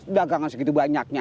udah gak ngasih gitu banyaknya